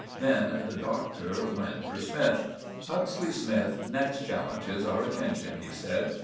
Then the Doctor went for Smythe. "Huxley Smythe next challenges our attention," he said.